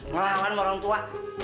ngelawan sama orang tua